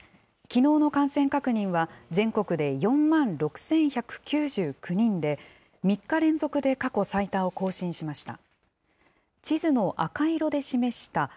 きのうの感染確認は、全国で４万６１９９人で、３日連続で過去最多を更新しました。